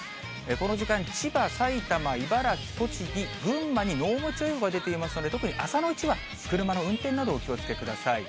この時間、千葉、埼玉、茨城、栃木、群馬に濃霧注意報が出ていますので、特に朝のうちは車の運転などお気をつけください。